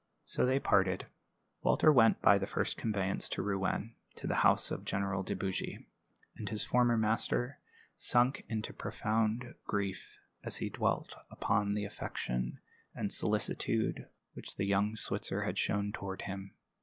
So they parted. Walter went by the first conveyance to Rouen to the house of General De Bougy; and his former master sunk into profound grief as he dwelt upon the affection and solicitude which the young Switzer had shown toward him.